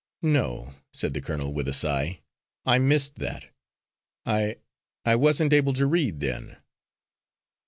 "No," said the colonel with a sigh, "I missed that. I I wasn't able to read then."